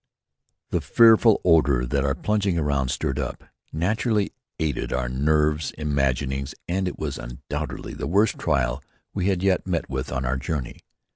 The fearful odour that our plunging around stirred up, naturally aided our nervous imaginings and it was undoubtedly the worst trial we had yet met with on the journey.